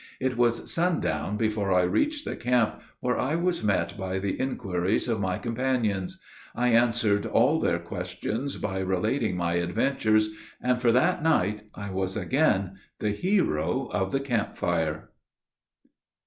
It was sundown before I reached the camp, where I was met by the inquiries of my companions. I answered all their questions by relating my adventures, and, for that night, I was again the hero of the camp fire.